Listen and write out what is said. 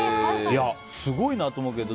すごいなと思うけど。